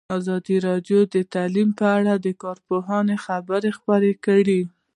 ازادي راډیو د تعلیم په اړه د کارپوهانو خبرې خپرې کړي.